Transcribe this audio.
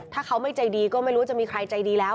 ถ้าเขาไม่ใจดีก็ไม่รู้จะมีใครใจดีแล้ว